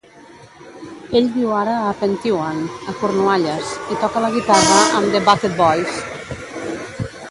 Ell viu ara a Pentewan, a Cornualles, i toca la guitarra amb The Bucket Boys.